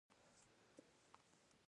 تر ټولو لوی دښمن ستا بد ملګری دی.